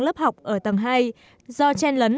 lớp học ở tầng hai do chen lấn